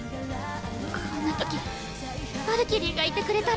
こんな時ヴァルキリーがいてくれたら。